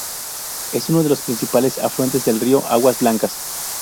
Es uno de los principales afluentes del Río Aguas Blancas.